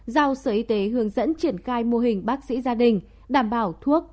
giao sở y tế hướng dẫn triển khai mô hình bác sĩ gia đình đảm bảo thuốc